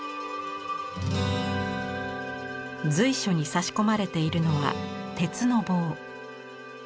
随所に差し込まれているのは鉄の棒。